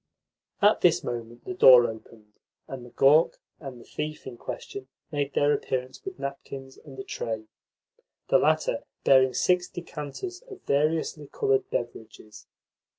At this moment the door opened, and the "gawk" and the "thief" in question made their appearance with napkins and a tray the latter bearing six decanters of variously coloured beverages.